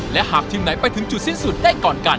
และหากทีมไหนไปถึงจุดสิ้นสุดได้ก่อนกัน